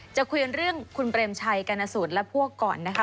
จะคุยกันเรื่องคุณเปรมชัยกันนะสุดและพวกก่อนนะครับ